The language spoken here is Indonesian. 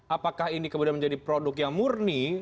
apakah ini kemudian menjadi produk yang murni